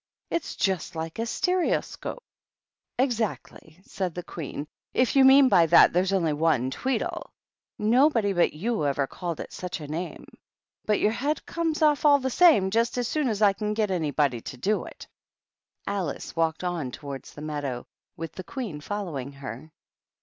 It's just like a stereoscope!" " Exactly," said the Queen, " if you mean by that that there's only one Tweedle. Nobody but you ever called it such a name. But your head comes off all the same, just as soon as I can get anybody to do it." 28* 270 THE TWEEDLES. Alice walked on towards the meadow, with the Queen following her.